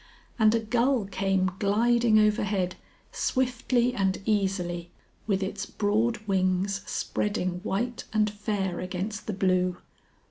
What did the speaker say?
And a gull came gliding overhead, swiftly and easily, with its broad wings spreading white and fair against the blue.